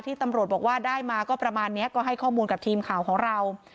ตำรวจบอกว่าได้มาก็ประมาณนี้ก็ให้ข้อมูลกับทีมข่าวของเรา